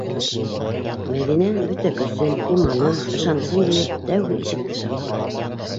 ...Мәҙинә, бөтә көсөн, иманын, ышанысын йыйып, тәүге ишекте шаҡыны.